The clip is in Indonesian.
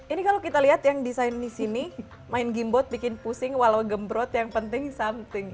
ini kalau kita lihat yang desain di sini main gamebot bikin pusing walau gembrot yang penting something